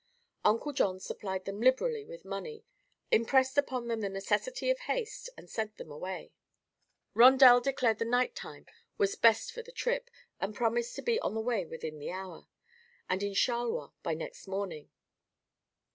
Uncle John supplied them liberally with money, impressed upon them the necessity of haste, and sent them away. Rondel declared the night time was best for the trip and promised to be on the way within the hour, and in Charleroi by next morning.